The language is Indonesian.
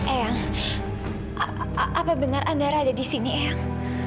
eyang apa benar andara ada di sini eyang